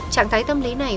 trạng thái tâm lý này